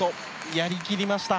やり切りました。